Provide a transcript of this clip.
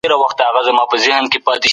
د کندهار صنعت کي خام مواد د کومه راځي؟